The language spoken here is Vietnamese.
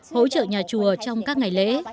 hỗ trợ nhà chùa trong các ngày lễ